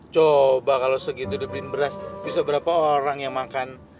coba kalau segitu debit beras bisa berapa orang yang makan